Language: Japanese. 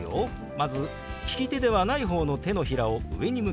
まず利き手ではない方の手のひらを上に向けます。